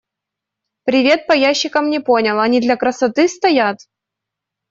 Привет, по ящикам не понял, они для красоты стоят?